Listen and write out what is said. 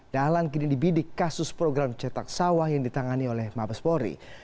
dahlan kini dibidik kasus program cetak sawah yang ditangani oleh mabes polri